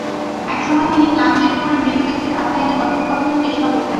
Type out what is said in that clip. একসময় তিনি প্লানচেট করে মৃত ব্যক্তির আত্মা এনে কথোপকথনের চেষ্টাও করতেন।